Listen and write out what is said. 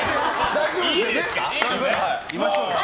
大丈夫ですよね。